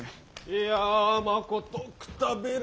いやまことくたびれ